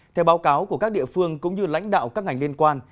theo báo cáo của các địa phương cũng như lãnh đạo các ngành liên quan